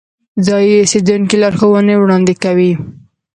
ځایی اوسیدونکي لارښوونې وړاندې کوي.